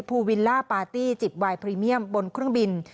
วิลล่าปาร์ตี้จิบวายพรีเมียมบนเครื่องบิน